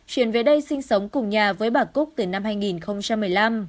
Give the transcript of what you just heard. chuyển về đây sinh sống cùng nhà với bà cúc từ năm hai nghìn một mươi năm